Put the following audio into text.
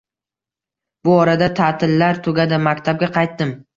Bu orada tatillar tugadi, maktabga qaytdim.